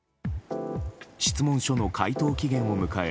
質問書の回答期限を迎え